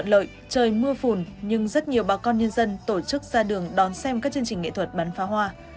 trời mưa phùn nhưng rất nhiều bà con nhân dân tổ chức ra đường đón xem các chương trình nghệ thuật bán phá hoa